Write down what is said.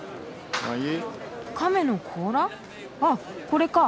あっこれか。